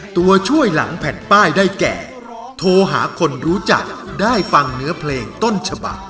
ตัวช่วยหลังแผ่นป้ายได้แก่โทรหาคนรู้จักได้ฟังเนื้อเพลงต้นฉบัก